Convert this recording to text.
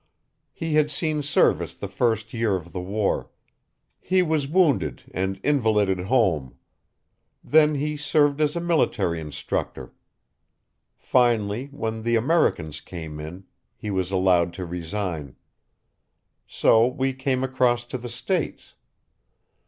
He had seen service the first year of the war. He was wounded and invalided home. Then he served as a military instructor. Finally, when the Americans came in, he was allowed to resign. So we came across to the States.